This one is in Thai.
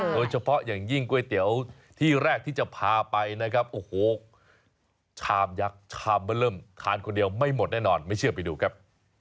โดยเฉพาะอย่างยิ่งก๋วยเตี๋ยวที่แรกที่จะพาไปนะครับโอ้โหชามยักษ์ชามมันเริ่มทานคนเดียวไม่หมดแน่นอนไม่เชื่อไปดูครับ